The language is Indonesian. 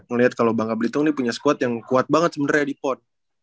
ngeliat kalo bangka blitung punya squad yang kuat banget sebenernya di pon